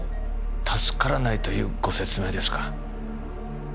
助からないというご説明ですか？